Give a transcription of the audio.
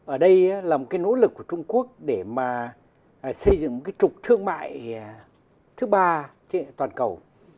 ở đây là một nỗ lực của trung quốc để xây dựng một trục thương mại thứ ba toàn cầu